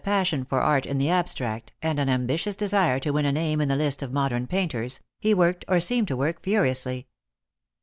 23 passion for art in the abstract, and an ambitions desire to win a name in the list of modern painters, he worked, or seemed to work, furiously.